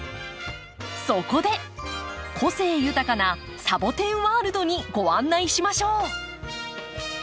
そこで個性豊かなサボテンワールドにご案内しましょう。